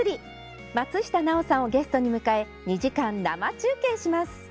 松下奈緒さんをゲストに迎え２時間、生中継します。